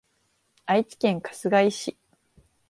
愛知県春日井市